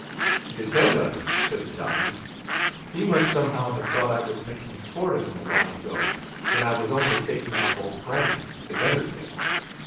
"Depend on it," said the top man, "he must somehow have thought I was making sport of him a while ago, when I was only taking off old Priming, the gunner's mate.